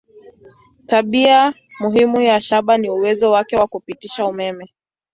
Tabia muhimu ya shaba ni uwezo wake wa kupitisha umeme.